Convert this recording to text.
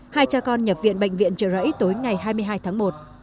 hai cha con nhập viện bệnh viện trợ rẫy tối ngày hai mươi hai tháng một